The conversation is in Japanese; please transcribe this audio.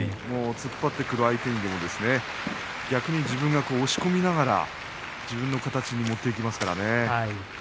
突っ張ってくる相手にも逆に押し込みながら自分の形になりますからね。